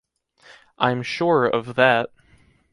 I’m sure of that.